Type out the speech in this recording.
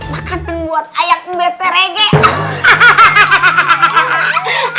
makanan buat ayak beterege